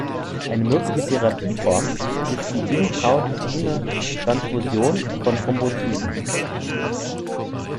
Eine mögliche Therapieform ist die intrauterine Transfusion von Thrombozyten.